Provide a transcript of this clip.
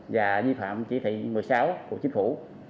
và vi phạm chỉ thị một mươi sáu của chính phủ